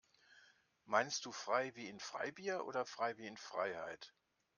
Meinst du frei wie in Freibier oder frei wie in Freiheit?